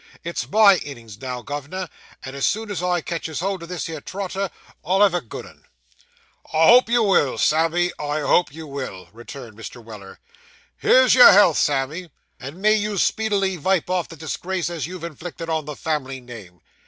It's my innings now, gov'nor, and as soon as I catches hold o' this 'ere Trotter, I'll have a good 'un.' 'I hope you will, Sammy. I hope you will,' returned Mr. Weller. 'Here's your health, Sammy, and may you speedily vipe off the disgrace as you've inflicted on the family name.